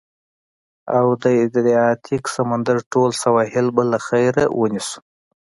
او د ادریاتیک سمندر ټول سواحل به له خیره، ونیسو.